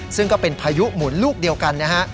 ซึ่งก็เป็นพายุหมุนลูกเดียวกันนะฮะ